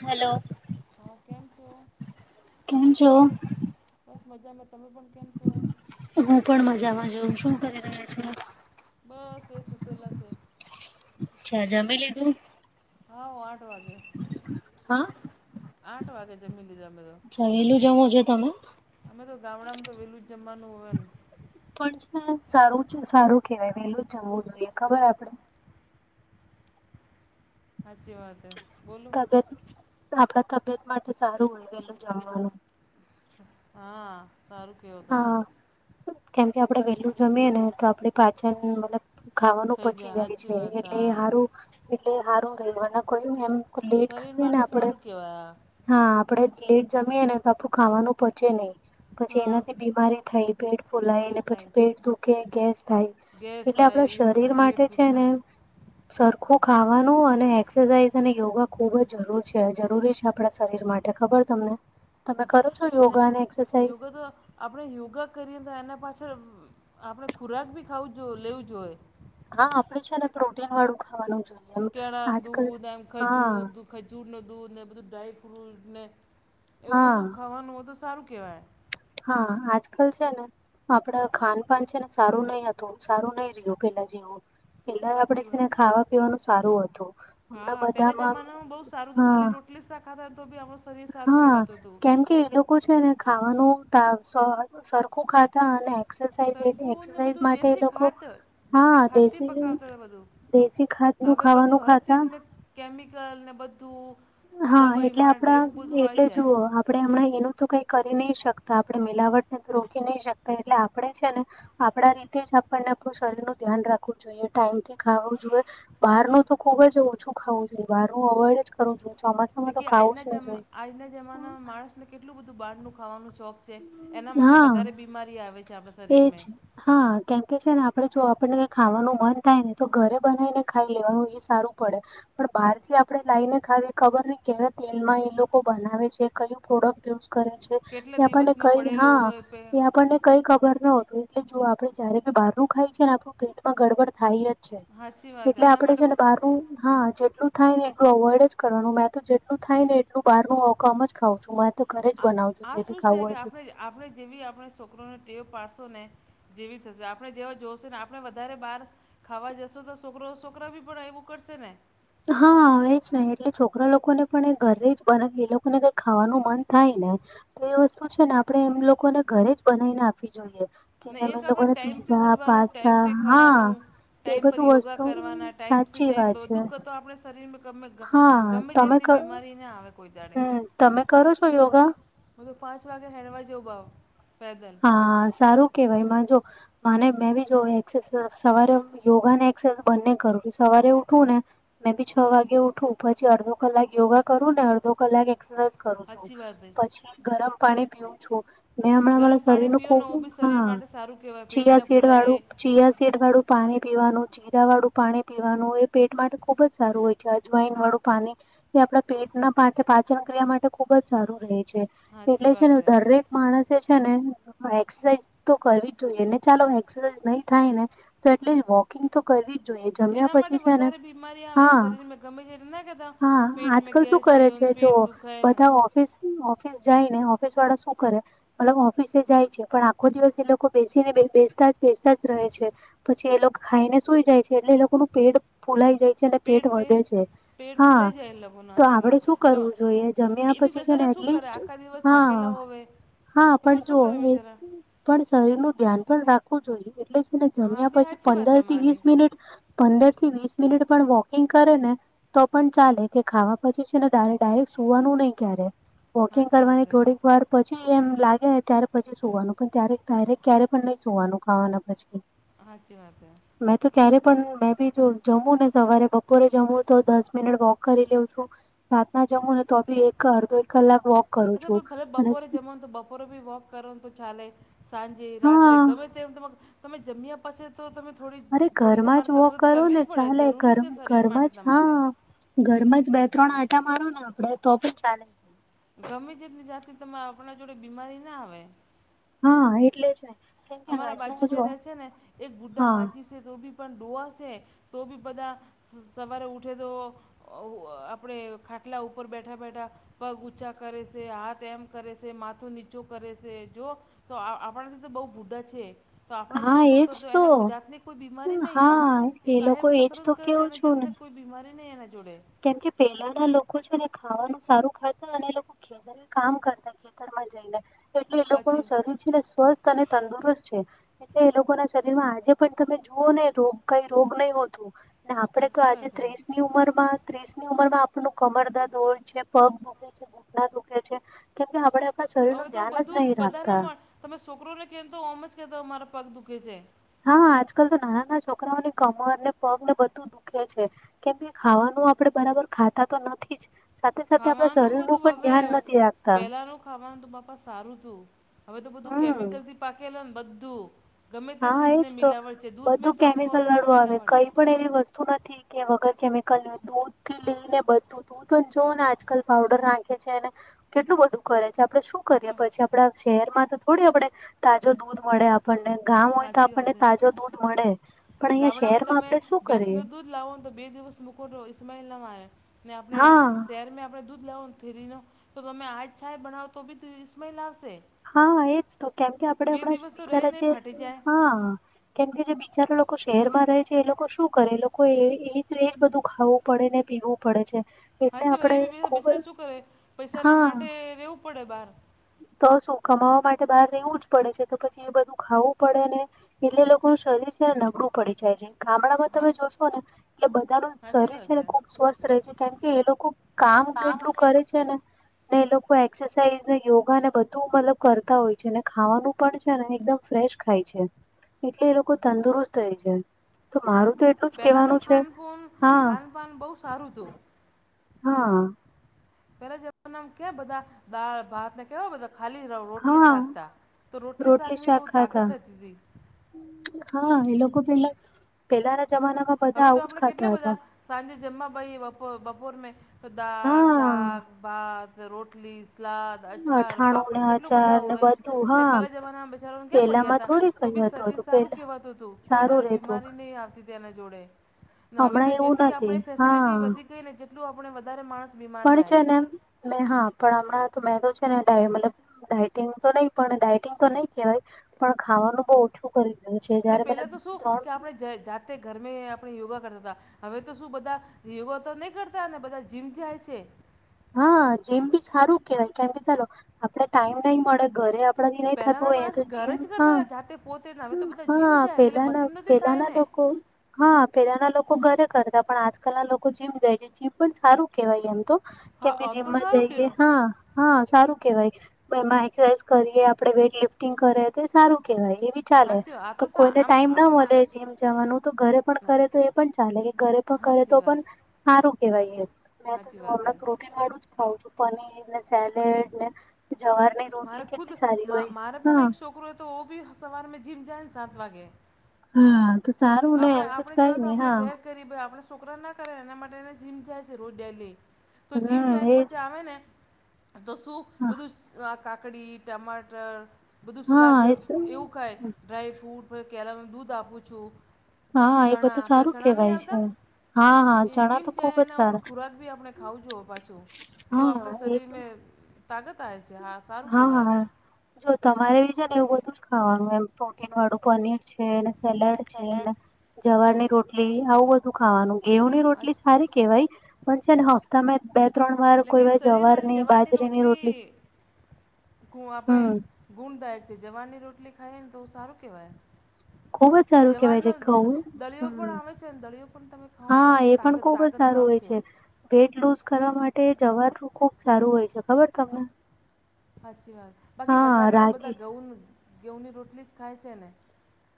હાલો. હા! કેમ છો? કેમ છો? બસ. મજામાં. તમે પણ, કેમ છો? હું પણ મજામાં છુ. શું કરી રહ્યો છો? બસ સુતેલા છે. અચ્છા. જમી લીધું? હાવ. આઠ વાગે. હા! આઠ વાગે જમીલીધા અમે તો. જમેલું જમો છો તમે? અમે તો ગામડામાં તો વેલું જમવાનું હોય ને. પણ છે સારું સારું કેવાય વેલું જ જમવું જોઈએ. ખબર આપડે સાચી વાત હે. બોલો તબિયત આપણા તબિયત માટે સારું વેલું જમવાનું. હા સારું. કહેવો તમે હા કેમકે આપડે વેલું જમીએ ને તો આપડી પાચન મતલબ ખાવાનું થઈ પચી જાય સાચી છે વાત એટલે એ હા હારું એટલે એ હારું રેવા માં કોઈ એમ લેટ શરીર ખાઈ ને માટે આપડે સારું કેવાય. હા આપડે લેટ જમીએ ને તો આપડું ખાવાનું પચે નઇ પછી હા એને ની બીમારી થય પેટ ફૂલાઈ ને બીમારી થાય પછી પેટ દુખે, ગેસ થાય ગેસ એટલે થાય આપણા બી શરીર પેટ માટે છે ને. દુખાય સરખું ખાવાનું અને એક્સરસાઇઝ અને યોગા ખુબ જ જરૂર છે, જરૂરી છે. આપણા શરીર માટે ખબર તમને? તમે સાચું કરો છો ને યોગા અને એક્સરસાઇઝ? યોગા તો આપણે યોગા કરીએ ને એના પાછળ આપણે ખોરાક બી ખાવું જ જોઈએ, લેવું જોઈએ. હા આપડે છે ને પ્રોટીન વાળું ખાવાનું જોઈએ. એમ કેળા ને આજકાલ દૂધ આય, ખજૂર હા દુ ખજૂર ને દૂધ ને એ બધું ડ્રાયફ્રૂટ ને એવું હા બધું ખાવાનું હોય તો સારું કેવાય. હા આજકાલ છે ને. આપડા ખાનપાન છે ને સારું નઇ હતું. સારું નઇ રહ્યું પેલા જેવું. પેલા સાચી આપડે છે વાત. ને ખાવા પીવાનું સારું હતું. હમણાં બધામાં હા ટીશા ખાતા હોય તો ભી આમાસો- હા. કેમ કે એક લોકો છે ને ખાવાનું ટાળ સરખું ખાતા અને એક્સેસાઇઝ, સરખું ને એક્સેસાઇઝ બધું માટે દેશી લોકો ખાતર હા દેશી ખાતથી દેશી પકાવતા હતા બધું. દેશી ખાધનું હવે ખાવાનું બધું હર ખાતા ચીજમાં કેમિકલ ને બધું હા દવાઈ એટલે માટે આપડા એવું બધું એટલે આવી જાય. જુઓ આપણે હમણાં એનું તો કઈ કરી નઇ શકતા. આપણે મિલાવટને તો રોકી નઇ શકતા, એટલે આપણે છે ને આપણા રીતે જ આપણને આપડા શરીર નું ધ્યાન રાખવું જોઈએ, ટાઈમથી ખાવું જોઈએ. બાર નું તો ખુબ જ ઓછું ખાવું જોઈએ બારનું અવોઈડ જ કરવું જોઈએ. ચોમાસામાં તો જેથી ખાવું જ આજના ના જમા જોઈએ આજના જમાનામાં માણસને કેટલું બધું બારનું ખાવાનું શોખ છે, એના માટે વધારે બીમારી આવે છે. આપણા એ છે. શરીરમાં હા કેમ કે છે ને આપડે જો આપણને ખાવાનું મન થાય ને તો ઘરે બનાવીને ખાઈ લેવાનું એ સા સારું પડે. પણ બહાર થી આપણે લાઈને ખાવીએ ખબર નઇ કેવા તેલમાં એ લોકો બનાવે છે? કયું પ્રોડક્ટ યુઝ કરે છે? એ કેટલા આપણને દિવસનો કઈ પડેલો હા હોય પે એ આપણને કઈ ખબર ની હતું એટલે જો આપડે જયારે બી બહાર નું ખાયે છે ને આપણું પેટમાં ગડબડ થાય જ છે સાચી વાત એટલે એના આપડે માટે છે ને બાર નું હા જેટલું થાય ને એટલું અવોઈડ જ કરવાનું. મેં તો જેટલું થાય ને એટલું બહારનું કમ જ ખાવુ છું. હું તો ઘરે જ આ બનાવુ છું. આ જે ભી શું ખાવું છે કે હોય તે આપણે આપણે જેવી આપડા છોકરુ ને ટેવ પાડસુ ને જેવી થશે. આપણે જેવા જોશે ને આપણે વધારે બાર ખાવા જશું તો સોકરો સોકરા ભી પણ એવું કરશે ને? હા એ જ ને, એટલે છોકરા લોકોને પણ એ ઘર જ બનાવી એ લોકોને કઈ ખાવાનું મન થાય ને તો એ વસ્તુ છે ને આપણે એ લોકોને ઘરે જ બનાવીને આપવી જોઈએ. કે ને જેમ એક એ આપણે લોકોને ટાઈમથી પીઝા ઉઠવાનું, પાસ્તા ટાઈમથી હા ખાવાનું, એ ટાઈમ પર બધું યોગા વસ્તુ કરવાના. ટાઈમ સી સાચી ટાઈમ વાત છે. બધું કતો આપણે શરીરમાં ગમે હા ગમે જાતની બીમારી ન આવે કોઈ દાડે. હમમ. તમે કરો છો યોગા? મુ તો પાંચ વાગે હવારે જ ઊભાવ પેદલ હા સારું કેવાય. મેં જો હા ને મેં બી જો એક્સેસ સવારે યોગા ને એક્સેસ એ બંને કરું છું સવારે ઉઠું ને મેં બી છો વાગે ઉઠું પછી અડધો કલાક યોગા કરું ને અડધો કલાક એક્સરસાઇઝ કરું છું. સાચી વાત હે પછી ગરમ પાણી પીવું છું મેં ગરમ પાણી શરીર નો પીઓ ખૂબ ને ઓ બી શરીર હા માટે સારું કહેવાય પેટ ના ચિયાસીડ વાળું ફૂલાય ચિયાસીડ વાળું પાણી પીવાનું જીરા વાળું પાણી પીવાનું એ પેટ માટે ખુબ જ સારું હોય છે અજવાઈન વાળું પાણી તે આપડા પેટ ના પાઠ પાચન ક્રિયા માટે ખુબ જ સારું રહે છે એટલે સાચી છે વાત ને હે દરેક માણસે છે ને એક્સરસાઇઝ તો કરવી જ જોઈએ ને ચાલો એક્સરસાઇઝ નહી થાય ને તો એટલિઝ વોક કિંગ તો કરવી જ જોઈએ જમ્યા એના માટે પછી છે ને વધારે બીમારી આવે ને હા શરીરમાં ગમે છે એટલે ના કહેતા હા, પેટમાં આજકાલ શું ગેસ કરે થયો ને છે જો પેટ દુખાય ને બધા વોક ઓફિસ ઓફિસ જઈને ઓફિસ વાળા શું કરે મતલબ ઓ ફીસે જાય છે પણ આખો દિવસ એ લોકો બેસીને બેસતા જ બેસતા જ રહે છે પછી એ લોક બી ખાઈને સુઈ જાય છે એટલે એ લોકોનું પેટ ફૂલાઈ જાય છે અને પેટ વધે છે. પેડ હા ફૂલાઈ જાય એ લોકો નો તો હાચી આપડે વાત શું તો કરવું જોઈએ જમ્યા એ બી પછી છે ને બેસારા શું કરે એટલીસ્ટ આખા દિવસ હા થાકેલા હોવે હા, તો પણ પછી શું જો કરે હું બેચારા પણ શરીર નું ધ્યાન પણ રાખવું જોઈએ એટલેજ અને હા જમ્યા બી પછી સાચી વાત પંદર થી તમારી વીસ મિનિટ, પંદર થી વીસ મિનિટ પણ વોકિંગ કરે ને તો પણ ચાલે કે ખાવા પછી છે ને ડાય-ડાયરેક્ટ સુવાનું નહી ક્યારે. વોકિંગ સાચી વાત કરવાની હે થોડીક વાર પછી એમ લાગ ને ત્યારે પછી સુવાનું પણ ત્યારે ડાયરેક ક્યારે પણ નહી સુવાનું ખાવાના પછી. હાચી વાત હૈ. મેં તો ક્યારે પણ મેં બી જો જમું ને સવારે બપોરે જમું તો દસ મિનિટ વોક કરી લઉં છું રાત ના જમુ ને તો બી એક અડધો એક કલાક વોક કરું એ છું ભલે અને બાપોરે જમવા તો બપ બપોરે બી વોક કરોનું તો ચાલે સાંજે રાત્રે હા ગમે તેમ તમે જમ્યા પછી તો તમે થોડી અરે થોડી ઘરમાં તમારે જ વોક કસરત કરો કરવી ને જ પડે ચાલે ઘર જરૂરી છે શરીર માટે ઘરમાં જ તમારે. હા ઘરમાં જ બે ત્રણ આટા મારો ને આપડે તો પણ ચાલે. છે ગમે જેટલી જાત તમા આપણ ને જોડે બીમારી ના આવે. હા, એટલે છે. અમારા બાજુ મેં રહેશે ને એક બુઢા હા માજી છે તો બી પણ ડોવા શે તો બી બધા સવારે ઉઠે તો ઉવા આપડે ખાટલા ઉપર બેઠા બેઠા પગ ઉછા કરે છે હાથ એમ કરે છે માથું નીચું કરે છે જો તો આપણ ભી તો બહુ બુઢા છે. તો આપણા હા જેવું તો એજ કરજો એને ગુજતની કોઈ બીમારી નહીં હો હા એક એ લોકો કાયમ એજ કસરત તો કરે કેવું એ છું ને જાતને કોઈ બીમારી નહીં એના જોડે. કેમ કે પેલા ના લોકો છે ને ખાવાનું સારું ખાતા અને એ લોકો ખે બધા ને કામ કરતા ખેતરમાં જઈને એટલે એ લોકો સાચી નું શરીર છે ને સ્વસ્થ તને તંદુરસ્ત છે. એટલે એ લોકો ના શરીર માં આજે પણ તમે જુઓ ને રોગ કઈ રોગ નહી હોતું. ને આપડે તો સાચી આજે વાત હે ત્રીસ ની ઉંમર માં ત્રીસ ની ઉંમરમાં આપણું કમર દર્દ હોય છે પગ દુખે છે ઘૂટના દુખે છે કેમકે આપડે આપણા શરીર હવે નું તો ધ્યાન જ બધું નહી બધાને રાખતા મળ તમે છોકરોને કહેમતો ઓમ જ કહેતા મારા પગ દુઃખે છે હા આજકાલ તો નાના નાના છોકરાઓની કમર ને પગ ને બધું દુખે છે કેમ કે ખાવાનું આપડે બરાબર ખાતા તો નથી જ સાથે સાથે આપણા ખાવાનું શરીરનું બધું પણ હવે ધ્યાન નથી રાખતા પહેલાંનું ખાવાનું તો બાપા સારું તું હવે તો બધું હમ કેમિકલથી. પાખેલો ને બધું ગમે તે હા સીઝને એજ તો મિલાવટ છે દૂધ મેં બધું તો હું કહો કેમિકલ તો તમે વાળું આવે મિલાવટ. કઈ પણ એવી વસ્તુ નથી કે વગર કેમિકલ દૂધ થી લઈને બધું દૂધ પણ જોવ ને આજકાલ પાવડર નાખે છે. કેટલું બધું કરે છે આપડે શું કરીએ હા પછી આપડા શહેરમાં તો થોડી આપડે તાજો દૂધ મળે આપણને. ગામ હોય તો સાચી આપણને વાત એમ તાજો દૂધ મડે પણ અહિયાં ગામડામાં શહેરમાં તમે આપણેે શું કરીએ. ભેંસનું દૂધ લાવો તો બે દિવસ મુકો તો ઇસ્માઇલ ના માળે ને આપણે હા શહેરમેં આપણે દૂધ લાવોન થેલીનું તો તમે આજ છાય બનાવો તો બી ઈસ્માઈલ આવશે હા એજ તો કેમ કે આપડે બે હમણા જ દિવસ તો રહે બિચારા નહીં જે ફાટી જાય હા કેમ કે જે બિચારા લોકો શહેરમાં રહે છે એ લોકો શું કરે એ લોકો એ એજ બધું ખાવું પડે ને પીવું પડે છે. એટલે હાચી વાય આપડે એ બી ખુબ બેચારા શું કરે પૈસા ના હા માટે રેવું પડે બાર તો શું કમાવા માટે બહાર રહેવું જ પડે છે તો પછી એ બધું ખાવું પડે ને એટલે લોકોનું શરીર છે ને નબડુ પડી જાય છે, ગામડામાં હા તમે જોશો ને એ બધાનું સાચી શરીર વાત છે ને ખુબ સ્વસ્થ રહે છે કેમ કે એ લોકો કામ કેટલું કરે છે ને ને એ લોકો એક્સરસાઇઝ ને યોગ ગા ને બધું મતલબ કરતા હોય છે ને ખાવાનું પણ છે ને એકદમ ફ્રેશ ખાય છે એટલે એ લોકો તંદુરસ્ત રે છે તો મારું તો એ પહેલાનું ખાનપૂન ખાનપાન બઉ સારું હતું. હા. પેલા જમાંનામ કે બધા દાળ ભાત ને કેવા બધા ખાલી ર રોટલી હા શાકતા તો રોટલી શાકવી શાક બહુ ખાતા તાકાત હતી તી હા એ લોકો પેલા પેલાના જમાનામાં બધા હવે તો આવું જ આપણે કેટલે ખાતા હતા બધા સાંજે જમાં ભાઈ બપો બપોર નેતો દાળ સાગ હા ભાત રોટ લી સ્લાદ અચ્છાર અઠાણું ને પાપડ કેટલું અચાર બધા ને હોવે બધું ને હા પેલા જમાનામાં બજારોને ક્યાં પડ્યા પેલામાં હતા થોડી કઈ તો બી હતું શરીર હતું સારું પેલા કેહેવાતું હતું કોઈ સારું દાડી રેતું બીમારી નહી આવતી એના જોડ એ ને હવે તો હમણાં એવું જેટલી નથી આપણે હા ફેસિલટી વધી ગઈને જેટલું આપણે વધારે માણ પણ છે ને મે હા પણ હમણાં તો મે તો છે ને ડાઈ મલબ ડાયટિંગ તો નહી પણ ડાયટિંગ તો નહી કેવાય પણ ખાવાનું બઉ ઓછું કર દીધું છે જયારે પેલા ત્રણ જે જાતે ઘર મે આપણે યોગા કરતા તા. હવે તો શું બધા યોગા તો નહી કરતા ને બધા જીમ જાય છે. હા જીમ બી સારું કેવાય કેમ કે ચાલો આપડે ટાઈમ નહી મળે ઘરે પડા થી નહી થતું પહેલાંના હોય એ માણસ તો જીમ ઘરે જ હ કરતા હતા જાતે પોતે જ હવે તો બધા હા જીમ જાય પેલે પેલાના મશીન નથી થાય પેલાના ને લોકો હા પેલાના લોકો ઘરે કરતા પણ આજકાલ ના લોકો જીમ જાય છે જીમ પણ સારું કહેવાય. એમ તો કે હા આમ તો જીમમાં સારું જઈએ કહેવાય હા હા સારું કેવાય એમાં એક્સરસાઇઝ કરીએ આપડે વેઇટ લિફ્ટિંગ કરે તો સારું કેહેવાય એવી ચાલે હાચી વાત. આ તો સા કોઈને આમ ટાઈમ ના મલે આમાં જીમ જવાનું તો ઘરે પણ કરે તો એ પણ ચાલે કે ઘરે પણ કરે હાચી તો વાત પણ સારું કેવાય એ મેં તો હાચી જો વાત હે હમણ રૂટિન વાળું જ ખાવઉ છું પનીર ને સેલેડ ને જવાર ની મારે ખુદ માં મારે પણ એક છોકરો હતો હો બી સવાર મેં જીમ જાય ને સાત વાગે હા તો સારું ને આપણે એમ તો જ આપણે જેવા કાઈ નહી આપણે હા. ઘેર કરી ભાઈ આપણા છોકરા ના કરે એના માટેને જીમ જાય છે રોજ ડેલી તો જીમ હમ જઈન એજ પછી આવે ને તો શું બધું. કાકડી ટમાટર બધું સલાદ હા એ સ એવું કાય ડ્રાય ફ્રૂટ પ કેરમ દૂધ આપું છું હા એ ચણા બધું આપે સારું ચણા નહીં કેવાય છે આવતા. હા હા એ ચણા જીમ તો ખુબ જાય જ એના ઉપર સારા ખોરાક બી આપણે ખાવુ જુએ પાછુ. તો હા આપણા એ શરીર ને તાકત આવે છે સારું હા હા કહેવાય હા જો તમારે એ છે ને એવું બધું જ ખાવાનું એમ પ્રોટીન વાળું પનીર છે અને તને સલાડ છે અને સલાડ જવારની રોટલી આવું બધું ખાવાનું ઘેઉ ની હા રોટલી સારી કેવાય પણ છે ને હપ્તા બે ત્રણ વાર કોઈ લેકિન વાર શરીર જવાર ની બાજરી ની રોટલી ગુ આપણે હમ ગુણદાયક છે જવાર ની રોટલી ખાઈએ ને તો સારું કહેવાય. ખુબ જ સારું કેવાય જવારનો છે ઘઉં દળિયો હમ પણ આવે છે દળિયો પણ તમે ખાવ તો હા આપે એ પણ તાકાત ખુબ જ તાકત. સારું હોય છે વેઇટ લૂઝ કરવા માટે જવાર ખુબ સારું હોય છે ખબર છે તમને. સાચી વાત બાકી હા વધારેને બધા રાગી ઘઉ ગેહુની રોટલી જ ખાય છે ને.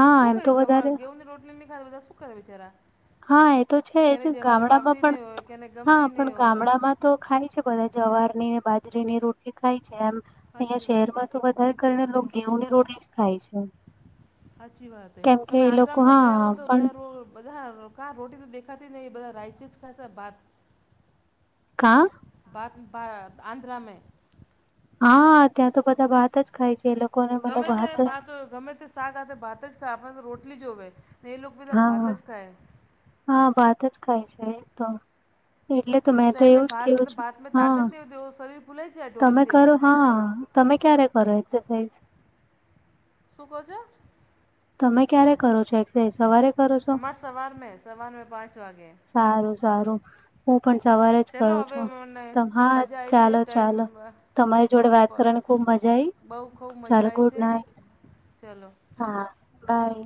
પછી હા શું એમ કરે તો વધારે ઘમારા ઘેઉની રોટલી ની ખાય શું કરે બિચારા‌. હા એ તો છે જ ગામડામાં પણ નહીં હોય કેને હા ગમતી પણ નહીં હોય ગામડામાં. તો ખાય છે બધા જવારની બાજરી ની રોટલી ખાય છે એમ અહીંયા સાચી વાત શહેરમાં. તો વધારે કરને તો ગેહુ ની રોટલી જ ખાય છે સાચી વાત હે કેમ કે તમે એ લોકો આંધ્રામાં તો ગયા હો હા ને તો પણ બધા રો બધા રોકા રોટી તો દેખાતી નહી બધા રાઈચસ ખાય છે ભાત. કા ભાત ભાત આંધ્રા મે હા ત્યાં તો બધા ભાત જ ખાય છે લોકો. ગમે તે ભાત હોય ગમે તો શાક હાથે ભાત જ ખાય આપણે તો રોટલી જોવે ને એ લોકો બધા ભાત હા જ ખાય. હા ભાત જ ખાય છે એ તો એટલે તો હાચી મેં તો એમે એવું જ ભાત કીધુ છુ ભાતમાં તાકત હા નહીં હોતી એવો શરીર ફૂલાઈ જાય ઢોલક તમે જેવો કરો હા તમે ક્યારે કરો એક્સરસાઇઝ. શું કો છો તમે ક્યારે કરો છો એક્સરસાઇઝ સવારે. કરો છો અમાર સવાર મે સવાર મે પાંચ વાગે. સારું સારું હું પણ સવારે જ ચલો કરું હવે છું મને તમ હા મજા આવી છે ચાલો ટાઈમ ચાલો. તમારી જોડે વાત કરવાની ખુબ મજા આઈ બહુ ખૂબ ચાલો મજા આવી ગુડ છે નાઈટ. ચલો હા બાય